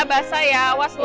basah ya awas loh